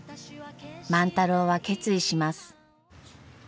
万太郎は決意します。